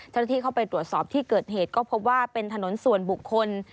เจ้าหน้าที่เข้าไปตรวจสอบที่เกิดเหตุก็พบว่าเป็นถนนส่วนบุคคล